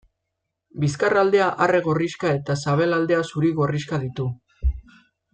Bizkarraldea arre gorrixka eta sabelaldea zuri gorrixka ditu.